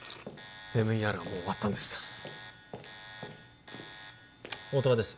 ＭＥＲはもう終わったんです音羽です